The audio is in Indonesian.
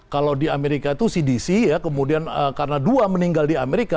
kalau di amerika itu cdc ya kemudian karena dua meninggal di amerika